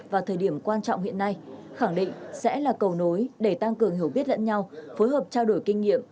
vào thời điểm quan trọng hiện nay khẳng định sẽ là cầu nối để tăng cường hiểu biết lẫn nhau phối hợp trao đổi kinh nghiệm